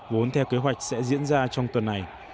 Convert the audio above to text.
vốn theo kế hoạch sẽ diễn ra trong tuần này